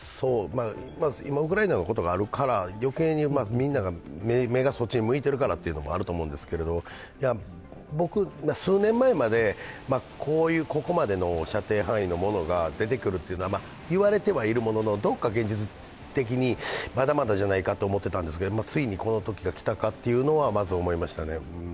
今、ウクライナのことがあるから余計にみんなが目がそっちに向いてるからというのもあると思うんですけど僕、数年前まで、ここまでの射程の範囲のものが出てくるというのは言われてはいるものの、どこか現実的にまだまだじゃないかと思っていたんですけども、ついにこのときが来たかというのはまず思いましたね。